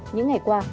những ngày qua